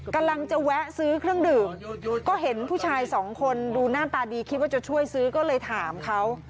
กำลังจะแวะซื้อเครื่องดื่มก็เห็นผู้ชายสองคนดูหน้าตาดีคิดว่าจะช่วยซื้อก็เลยถามเขา